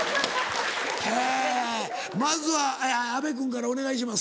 まずは安部君からお願いします。